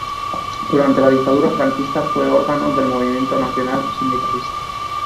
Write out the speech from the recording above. Durante la dictadura franquista fue órgano del Movimiento Nacional Sindicalista.